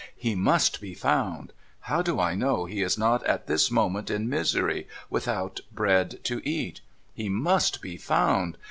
He must be found ! How do I know he is not at this moment in misery, without bread to eat ? He must be found